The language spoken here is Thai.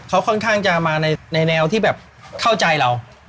เขาค่อนข้างจะมาในแนวที่แบบเข้าใจเรา